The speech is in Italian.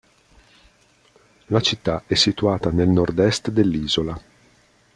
La città è situata nel nord est dell'isola.